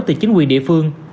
từ chính quyền địa phương